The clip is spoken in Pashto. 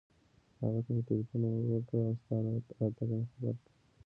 هغه ته مې ټېلېفون ور و کړ او ستا له راتګه مې خبر کړ.